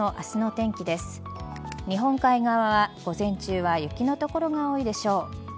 日本海側は午前中は雪の所が多いでしょう。